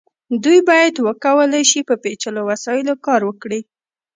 دوی باید وکولی شي په پیچلو وسایلو کار وکړي.